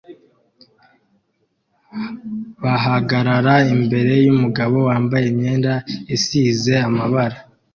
bahagarara imbere yumugabo wambaye imyenda isize amabara